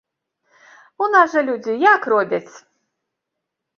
У нас жа людзі як робяць?